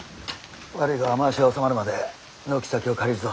悪いが雨足が収まるまで軒先を借りるぞ。